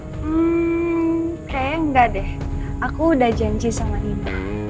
hmm kayaknya enggak deh aku udah janji sama ini